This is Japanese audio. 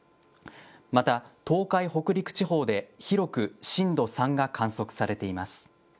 また、東海、北陸地方で広く震度３が観測されています。